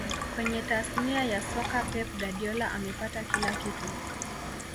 Kwenye tasnia ya soka pep guardiola amepata kila kitu